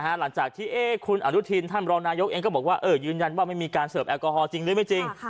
หลังจากที่คุณอนุทินท่านรองนายกเองก็บอกว่ายืนยันว่าไม่มีการเสิร์ฟแอลกอฮอลจริงหรือไม่จริง